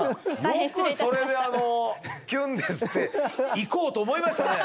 よくそれであの「キュンです」っていこうと思いましたね。